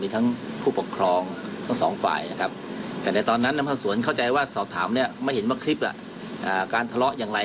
แต่ในตอนนั้นพระส่วนเข้าใจว่าสอบถามไม่เห็นว่าคลิปการทะเลาะอย่างไร